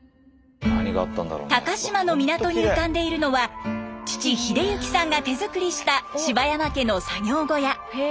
高島の港に浮かんでいるのは父英行さんが手作りした柴山家の作業小屋。